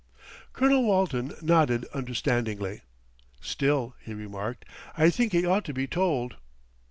Colonel Walton nodded understandingly. "Still," he remarked, "I think he ought to be told."